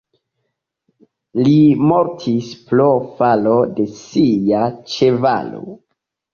Li mortis pro falo de sia ĉevalo.